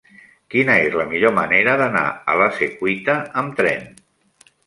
Quina és la millor manera d'anar a la Secuita amb tren?